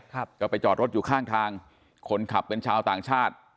ครับก็ไปจอดรถอยู่ข้างทางคนขับเป็นชาวต่างชาติ